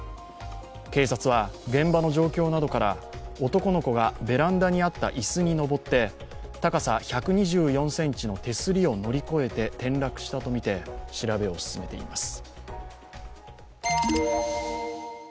警察は現場の状況などから男の子がベランダにあった椅子に上って高さ１２４ｃｍの手すりを乗り越えて転落したとみて調べを進めています。